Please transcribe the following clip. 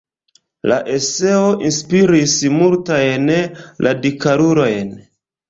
La eseo inspiris multajn radikalulojn.